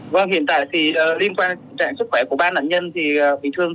vâng hiện tại thì liên quan đến trạng sức khỏe của ba nạn nhân bị thương